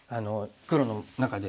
黒の中で。